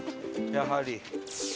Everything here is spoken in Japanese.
やはり。